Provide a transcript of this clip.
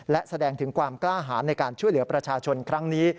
และแสดงถึงความกล้าหารในการช่วยเหลือประชาชนครั้งนี้